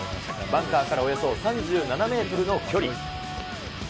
バンカーからおよそ３７メートルの距離。